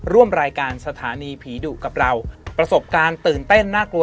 ร่วมรายการสถานีผีดุกับเราประสบการณ์ตื่นเต้นน่ากลัว